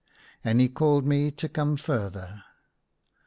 And he called me to come further.